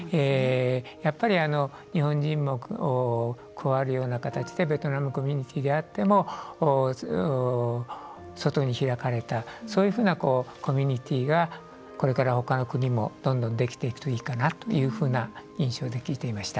やっぱり日本人も加わるような形でベトナムコミュニティーであっても外に開かれたそういうふうなコミュニティーがこれから、他の国もどんどんできていくといいかなというふうな印象で聞いていました。